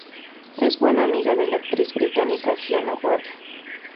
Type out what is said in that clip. Es buena amiga de la actriz británica Fiona Wade.